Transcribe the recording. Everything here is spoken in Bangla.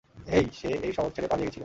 হেই, সে এই শহর ছেড়ে পালিয়ে গেছিলো।